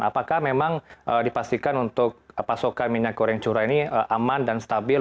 apakah memang dipastikan untuk pasokan minyak goreng curah ini aman dan stabil